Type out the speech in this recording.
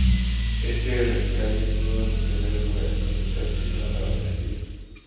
Este relicario es uno de los primeros lugares donde está escrita la palabra Sevilla.